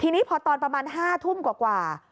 ทีนี้พอตอนประมาณ๕ทุ่มกว่า